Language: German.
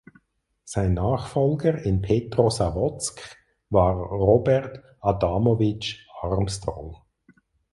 Sein Nachfolger in Petrosawodsk war Robert Adamowitsch Armstrong.